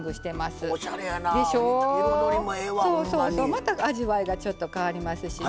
また味わいがちょっと変わりますしね。